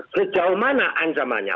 sejauh mana ancamannya